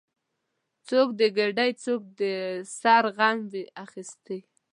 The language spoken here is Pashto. څوک د ګیډې، څوک د سر غم وي اخیستی